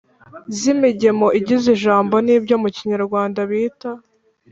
z'imigemo igize ijambo ni byo mu kinyarwanda bita.